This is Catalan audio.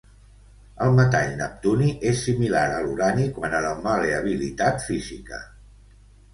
El metall neptuni és similar a l'urani quant a la mal·leabilitat física.